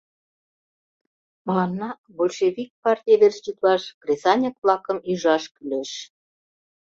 Мыланна большевик партий верч йӱклаш кресаньык-влакым ӱжаш кӱлеш.